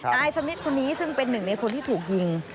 นายสมิทคนนี้ซึ่งเป็นหนึ่งในคนที่ถูกยิง